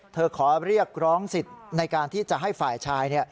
ขอเรียกร้องสิทธิ์ในการที่จะให้ฝ่ายชาย